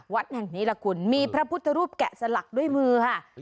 วัดแห่งนี้ล่ะคุณมีพระพุทธรูปแกะสลักด้วยมือค่ะ